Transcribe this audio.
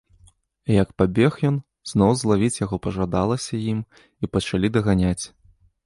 І як пабег ён, зноў злавіць яго пажадалася ім і пачалі даганяць.